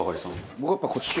僕はやっぱこっち系。